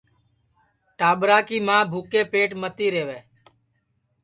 ٹاٻرا کُی ماں بُھکے پیٹ متی رہوے